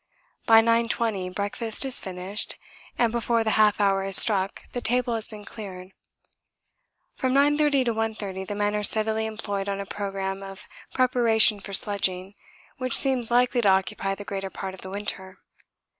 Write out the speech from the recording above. By 9.20 breakfast is finished, and before the half hour has struck the table has been cleared. From 9.30 to 1.30 the men are steadily employed on a programme of preparation for sledging, which seems likely to occupy the greater part of the winter.